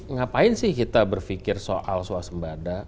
ngapain sih kita berpikir soal suasembada